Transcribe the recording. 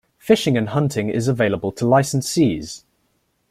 Fishing and hunting is available to licensees.